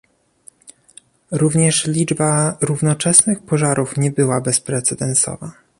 Również liczba równoczesnych pożarów nie była bezprecedensowa